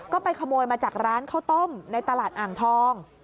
ก็ไปขโมยมาจากร้านข้าวต้มในตลาดอ่างทอง